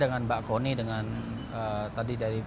dengan mbak koni dengan tadi dari